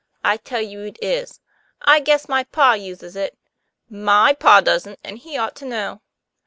"I tell you it is." " I guess my pa uses it." "My pa doesn't, and he ought to know."